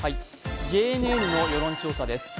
ＪＮＮの世論調査です。